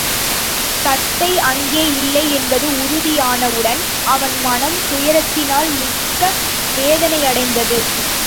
தத்தை அங்கே இல்லை என்பது உறுதி யானவுடன், அவன் மனம் துயரத்தினால் மிக்க வேதனை யடைந்தது.